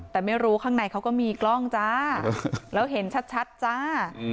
แต่ไม่รู้ข้างในเขาก็มีกล้องจ้าแล้วเห็นชัดจ้า